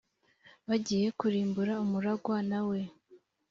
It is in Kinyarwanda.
bagiye kurimbura umuragwa na we